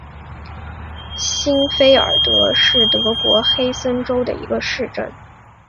欣费尔德是德国黑森州的一个市镇。